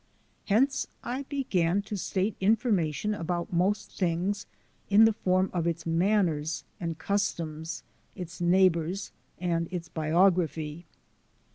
Hence I began to state information about most things in the form of its manners and customs, its neighbours and its biog raphy.